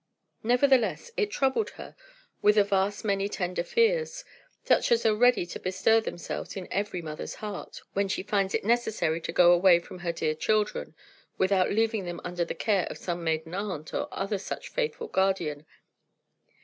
Nevertheless, it troubled her with a vast many tender fears, such as are ready to bestir themselves in every mother's heart, when she finds it necessary to go away from her dear children without leaving them under the care of some maiden aunt, or other such faithful guardian.